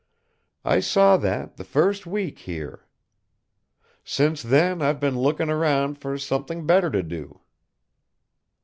I saw that, the first week here. Since then I've been looking around for something better to do."